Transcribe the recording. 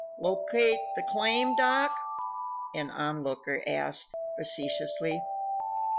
"Locate the claim, Doc?" an on looker asked, facetiously.